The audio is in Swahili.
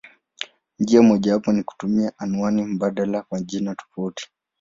Njia mojawapo ni kutumia anwani mbadala kwa jina tofauti.